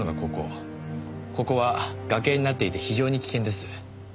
ここは崖になっていて非常に危険です。